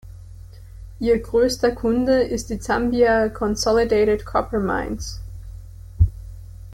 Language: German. Ihr größter Kunde ist die Zambia Consolidated Copper Mines.